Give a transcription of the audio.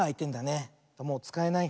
もうつかえない。